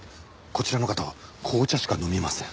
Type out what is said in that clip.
こちらの方は紅茶しか飲みません。